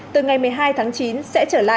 từ ngày một mươi hai tháng chín sẽ trở lại